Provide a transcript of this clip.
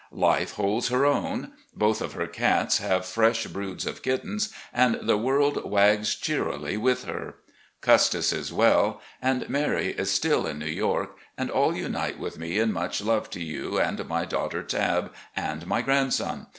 'Life' holds her own. Botb of 346 RECOLLECTIONS OP GENERAL LEE her cats have fresh broods of kittens, and the world wags cheaily with her. Custis is well, and Mary is still in New York, and all unite with me in much love to you and my daughter Tabb and my grandson.